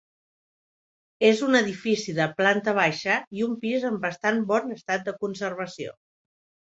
És un edifici de planta baixa i un pis en bastant bon estat de conservació.